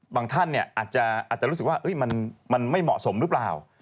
บางท่านเนี่ยว่าอาจจะรู้สึกว่ามันไม่เหมาะสมหรือเปล่า